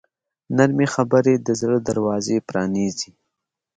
نرمې خبرې د زړه دروازې پرانیزي.